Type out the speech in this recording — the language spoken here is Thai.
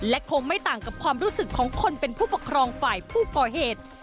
และคงไม่ต่างกับความรู้สึกของคนเป็นผู้ปกครองฝ่ายผู้ก่อเหตุ